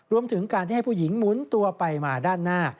รวมถึงการที่ให้ผู้หญิงหมุนตัวไปมาด้านหน้า